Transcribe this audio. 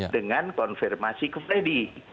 dengan konfirmasi ke freddy